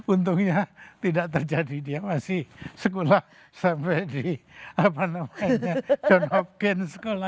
untungnya tidak terjadi dia masih sekolah sampai di apa namanya john hopkins school